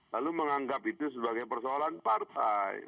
lalu menganggap itu sebagai persoalan partai